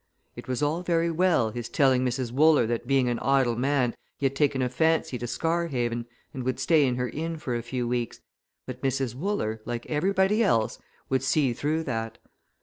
It was all very well, his telling Mrs. Wooler that being an idle man he had taken a fancy to Scarhaven, and would stay in her inn for a few weeks, but Mrs. Wooler, like everybody else, would see through that.